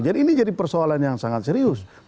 jadi ini jadi persoalan yang sangat serius